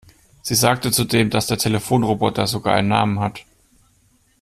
Sie sagte zudem, dass der Telefonroboter sogar einen Namen hat.